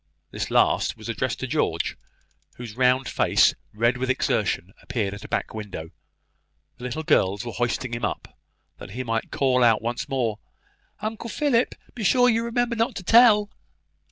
This last was addressed to George, whose round face, red with exertion, appeared at a back window. The little girls were hoisting him up, that he might call out once more, "Uncle Philip, be sure you remember not to tell."